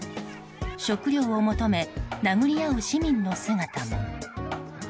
食料を求め殴り合う市民の姿も。